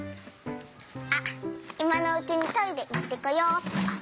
あっいまのうちにトイレいってこよっと！